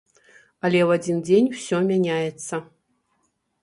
Але ў адзін дзень усё мяняецца.